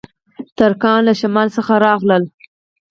ترکان له شمال څخه راغلل